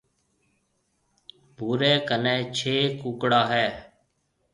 ڀوري ڪنَي ڇَي ڪونڪڙا هيَ۔